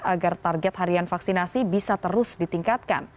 agar target harian vaksinasi bisa terus ditingkatkan